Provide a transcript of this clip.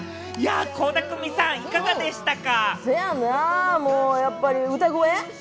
倖田來未さん、いかがでしたか？